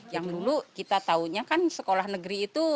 yang dulu kita taunya kan sekolah negeri itu